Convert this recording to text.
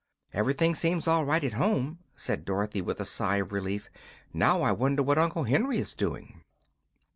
"Everything seems all right at home," said Dorothy, with a sigh of relief. "Now I wonder what Uncle Henry is doing."